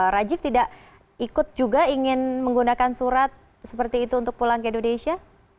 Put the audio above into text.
rajiv tidak ikut juga ingin menggunakan surat seperti itu untuk pulang ke indonesia